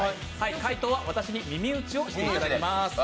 解答は私に耳打ちをしていただきます。